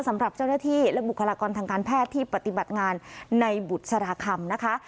สำหรับเจ้าหน้าที่และบุคลากรทางการแพทย์ที่ปฏิบัติงานในบุษราคำนะคะ